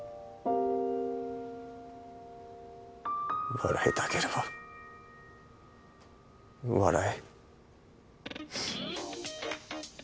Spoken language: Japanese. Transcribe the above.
笑いたければ笑え。